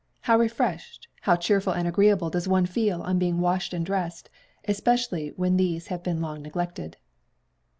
How refreshed, how cheerful and agreeable does one feel on being washed and dressed; especially when these have been long neglected.